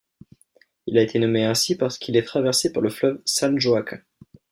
Il a été nommé ainsi parce qu'il est traversé par le fleuve San Joaquin.